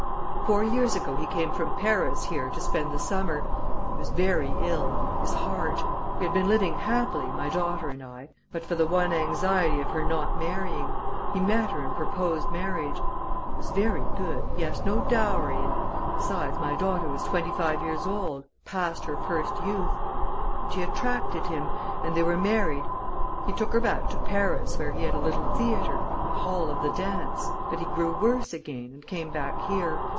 "Four years ago he came from Paris here to spend the summer he was ver' ill his heart. We had been living happily, my daughter and I, but for the one anxiety of her not marrying. He met her and proposed marriage. He was ver' good he asked no dowry, and, besides, my daughter was twenty five years old past her first youth. But she attracted him, and they were married. He took her back to Paris, where he had a little theater, a hall of the dance but he grew worse again, and came back here.